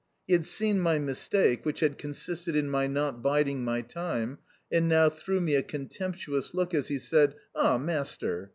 He had seen my mistake (which had consisted in my not biding my time), and now threw me a contemptuous look as he said, "Ah, master!"